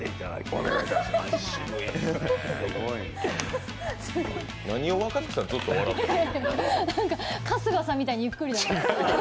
なんか、春日さんみたいにゆっくりだなって。